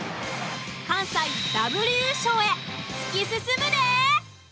関西ダブル優勝へ突き進むで！